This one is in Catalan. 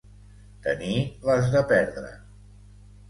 Tenir les de perdre.